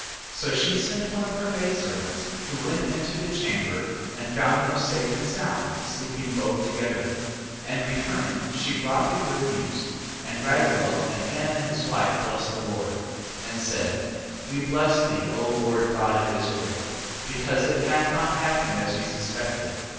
8:15. So she sent one of her maidservants, who went into the chamber, and found them safe and sound, sleeping both together. 8:16. And returning she brought the good news: and Raguel and Anna his wife blessed the Lord, 8:17. And said: We bless thee, O Lord God of Israel, because it hath not happened as we suspected.